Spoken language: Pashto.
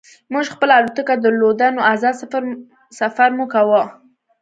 موږ خپله الوتکه درلوده نو ازاد سفر مو کاوه